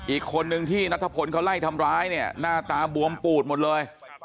อีกคนนึงที่นัทพลเขาไล่ทำร้ายเนี่ยหน้าตาบวมปูดหมดเลย